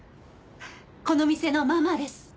この店のママです。